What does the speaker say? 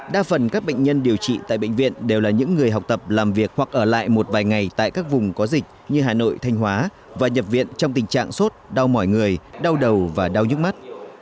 đa phần các bệnh nhân điều trị tại bệnh viện đều là những người học tập làm việc hoặc ở lại một vài ngày tại các vùng có dịch như hà nội thanh hóa và nhập viện trong tình trạng sốt đau mỏi người đau đầu và đau nhức mắt